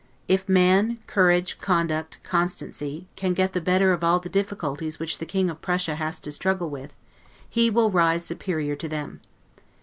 If man, courage, conduct, constancy, can get the better of all the difficulties which the King of Prussia has to struggle with, he will rise superior to them.